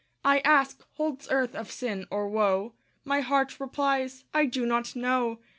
I ask, "Holds earth of sin, or woe?" My heart replies, "I do not know."